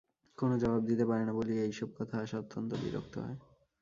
কোনো জবাব দিতে পারে না বলিয়াই এই-সব কথায় আশা অত্যন্ত বিরক্ত হয়।